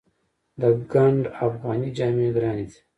د ګنډ افغاني جامې ګرانې دي؟